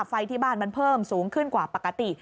ไฟที่บ้านมันเพิ่มสูงขึ้นกว่าปกติ